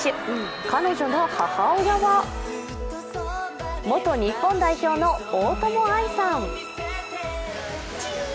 彼女の母親は元日本代表の大友愛さん。